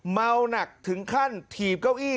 เมาหนักถึงขั้นถีบเก้าอี้